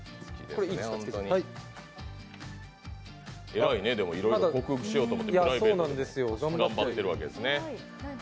偉いね、いろいろ克服しようと頑張ってるわけですね。